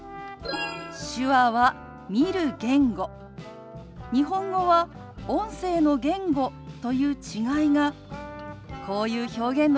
手話は見る言語日本語は音声の言語という違いがこういう表現の違いになることがあるんですよ。